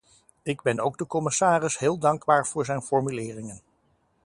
Ik ben ook de commissaris heel dankbaar voor zijn formuleringen.